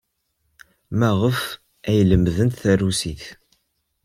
Maɣef ay lemdent tarusit?